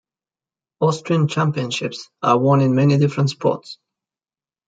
Austrian championships are won in many different sports.